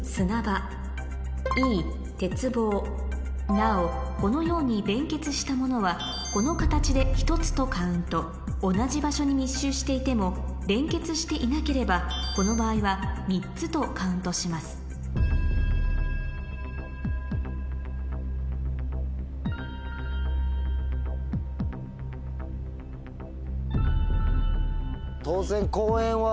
なおこのように連結したものはこの形で１つとカウント同じ場所に密集していても連結していなければとカウントします当然。